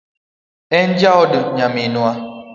En jaod nyaminwa